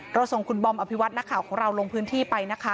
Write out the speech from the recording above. ส่งคุณบอมอภิวัตินักข่าวของเราลงพื้นที่ไปนะคะ